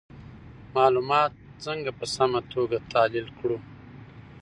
معلومات څنګه په سمه توګه تحلیل کړو؟